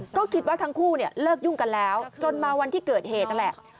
ก็คิดว่าทั้งคู่เนี่ยเลิกยุ่งกันแล้วจนมาวันที่เกิดเหตุนั่นแหละ